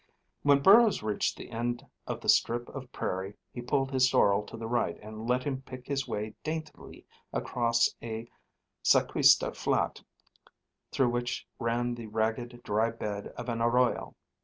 When Burrows reached the end of the strip of prairie he pulled his sorrel to the right and let him pick his way daintily across a sacuista flat through which ran the ragged, dry bed of an arroyo.